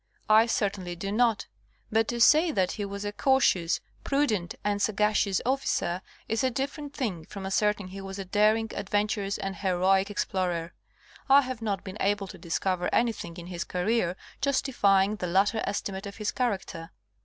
I certainly do not. But to say that he was a cautious, prudent and sagacious officer, is a different thing from asserting he was a daring, adventurous and heroic ex plorer. Ihave not been able to discover anything in his career justifying the latter estimate of his character.